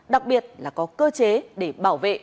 đặc biệt là có cơ chế để bảo vệ